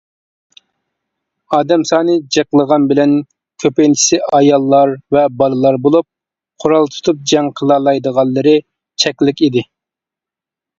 ئادەم سانى جىقلىغان بىلەن كۆپىنچىسى ئاياللار ۋە بالىلار بولۇپ، قورال تۇتۇپ جەڭ قىلالايدىغانلىرى چەكلىك ئىدى.